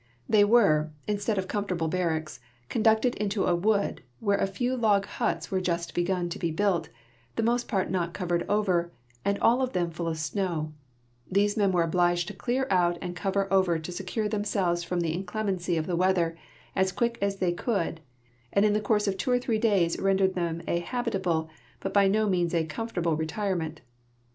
They Avere, in stead of comfortable barracks, conducted intoa Avood, Avhere a feAvloghuts Avere just begun to be built, the most part not coA'ered over, and all of them full of siioav ; these the men were obliged to clear out and cover OA'er, to secure themselves from the inclemency of the Aveather, as quick as they could, and in the course of t\A'o or three days rendered them a habitable, but by no means a comfortable retirement.